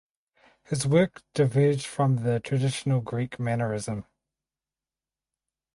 His work diverged from the traditional Greek mannerism.